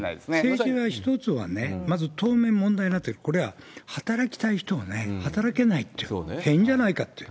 政治は一つはね、まず当面問題になっている、これは働きたい人が働けないと、変じゃないかという。